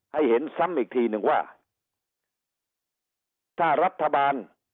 เห็นซ้ำอีกทีหนึ่งว่าถ้ารัฐบาล